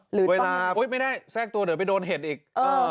หรือเวลาโอ้ยไม่ได้แทรกตัวเดี๋ยวไปโดนเห็ดอีกเออ